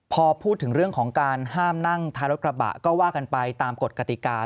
พอพูดถึงเรื่องของการห้ามนั่งท้ายรถกระบะก็ว่ากันไปตามกฎกติกา